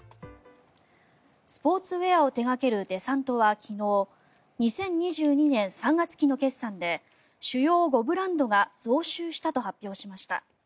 スポーツウェアを手掛けるデサントは昨日２０２２年３月期の決算で主要５ブランドが増収したと発表しました。